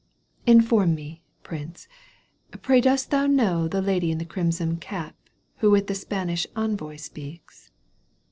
" Inform me, prince, pray dost thou know The lady in the crimson cap Who with the Spanish envoy speaks